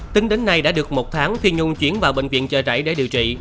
tính đến nay đã được một tháng phi nhung chuyển vào bệnh viện trời rảy để điều trị